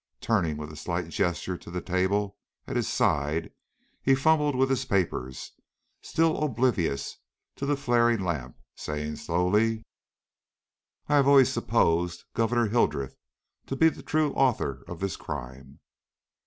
Turning with a slight gesture to the table at his side, he fumbled with his papers, still oblivious of the flaring lamp, saying slowly: "I have always supposed Gouverneur Hildreth to be the true author of this crime."